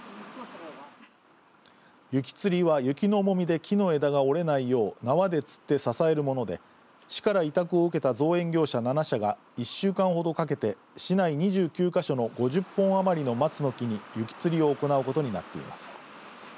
雪つりは雪の重みで木の枝が折れないよう縄でつって支えるもので市から委託を受けた造園業者７社が１週間ほどかけて市内２９か所の５０本余りの松の木に雪つりを行うことになっています。